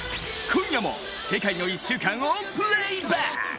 今夜も世界の１週間をプレーバック。